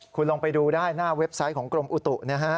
คุณลงไปดูได้หน้าเว็บไซต์ของกรมอุตุนะฮะ